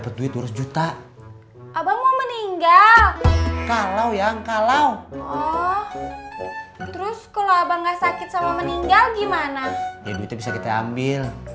ya duitnya bisa kita ambil